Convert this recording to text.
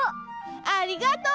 ありがとう！